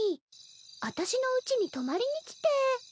あたしのうちに泊まりに来て。